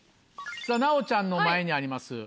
さぁ奈央ちゃんの前にあります。